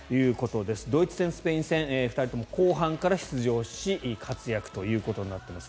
ドイツ戦、スペイン戦２人とも後半から出場し活躍ということになっています。